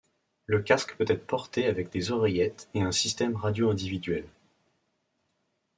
Le casque peut être porté avec des oreillettes et un système radio individuel.